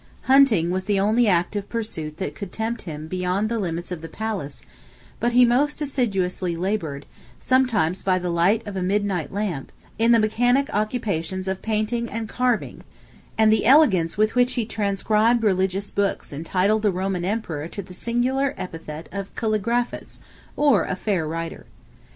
Hunting was the only active pursuit that could tempt him beyond the limits of the palace; but he most assiduously labored, sometimes by the light of a midnight lamp, in the mechanic occupations of painting and carving; and the elegance with which he transcribed religious books entitled the Roman emperor to the singular epithet of Calligraphes, or a fair writer.